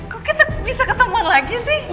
kok kita bisa ketemu lagi sih